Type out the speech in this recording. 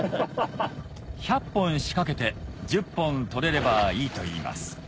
１００本仕掛けて１０本取れればいいといいます